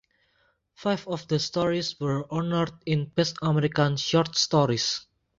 Five of the stories were honored in "Best American Short Stories".